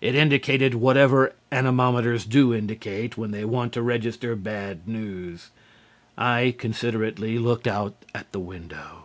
It indicated whatever anemometers do indicate when they want to register bad news. I considerately looked out at the window.